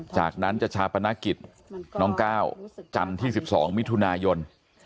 จากนั้นจะชาปนกิจน้องก้าวจันทร์ที่๑๒มิถุนายน